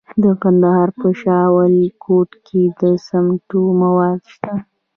د کندهار په شاه ولیکوټ کې د سمنټو مواد شته.